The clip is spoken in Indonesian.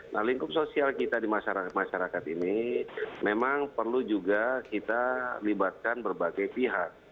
nah lingkup sosial kita di masyarakat masyarakat ini memang perlu juga kita libatkan berbagai pihak